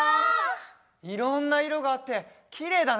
いろんないろがあってきれいだね！